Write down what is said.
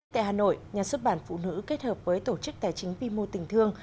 tại hà nội nhà xuất bản phụ nữ kết hợp với tổ chức tài chính vi mô tình thương